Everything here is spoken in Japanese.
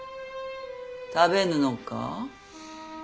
食べぬのか？